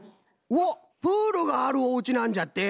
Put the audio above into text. うおっプールがあるおうちなんじゃって！